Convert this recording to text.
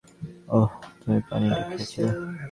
ওহ, তুমি পানিটা খেয়েছিলে।